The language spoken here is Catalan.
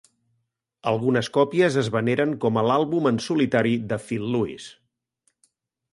Algunes còpies es veneren com a l'àlbum "en solitari" de Phil Lewis.